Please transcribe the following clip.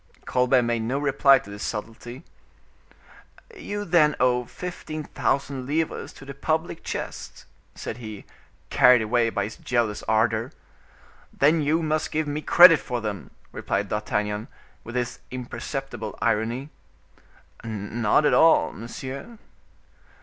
Colbert made no reply to this subtlety. "You then owe fifteen thousand livres to the public chest," said he, carried away by his jealous ardor. "Then you must give me credit for them," replied D'Artagnan, with his imperceptible irony. "Not at all, monsieur."